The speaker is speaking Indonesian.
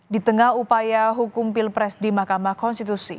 di tengah upaya hukum pilpres di mahkamah konstitusi